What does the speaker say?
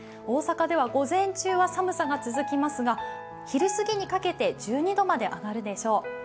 大阪では午前中は寒さが続きますが、昼すぎにかけて１２度まで上がるでしょう。